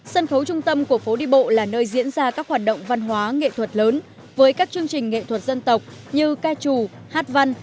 sân khấu trung tâm của phố đi bộ là nơi diễn ra các hoạt động văn hóa nghệ thuật lớn với các chương trình nghệ thuật dân tộc như ca trù hát văn